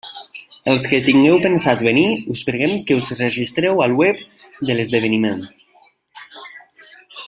Els que tingueu pensat venir us preguem que us registreu al web de l'esdeveniment.